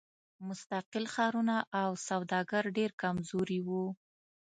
مستقل ښارونه او سوداګر ډېر کمزوري وو.